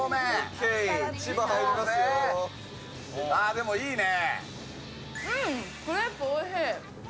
でもいいね！